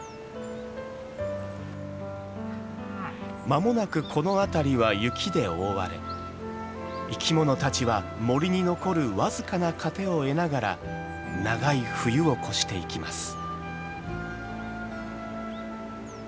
間もなくこの辺りは雪で覆われ生きものたちは森に残る僅かな糧を得ながら長い冬を越していきます。